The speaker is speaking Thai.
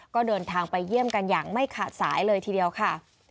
ก็เดินทางไปเยี่ยมกันอย่างไม่ขาดสายเลยทีเดียวค่ะ